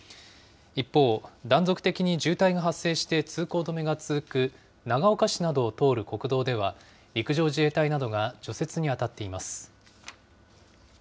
一方、断続的に渋滞が発生して通行止めが続く長岡市などを通る国道では、陸上自衛隊などが除雪に当たっています。